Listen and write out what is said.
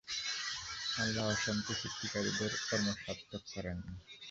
আল্লাহ অশান্তি সৃষ্টিকারীদের কর্ম সার্থক করেন না।